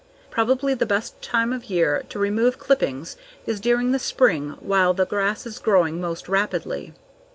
Probably the best time of year to remove clippings is during the spring while the grass is growing most rapidly.